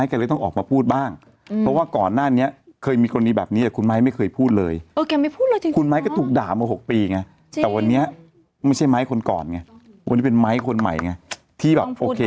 อีกอันซึ่งคุณซาร่าเนี่ยเค้าออกมาพูดนะแล้วก็ออกมาในรายการเนี่ยแหละ